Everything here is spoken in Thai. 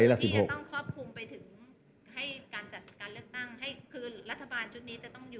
ถึงรัฐบาลจะต้องหยุดดูแลต่อไป